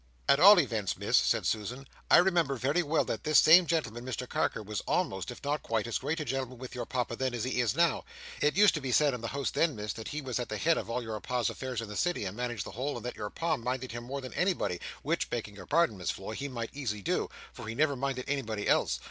"At all events, Miss," said Susan, "I remember very well that this same gentleman, Mr Carker, was almost, if not quite, as great a gentleman with your Papa then, as he is now. It used to be said in the house then, Miss, that he was at the head of all your Pa's affairs in the City, and managed the whole, and that your Pa minded him more than anybody, which, begging your pardon, Miss Floy, he might easy do, for he never minded anybody else.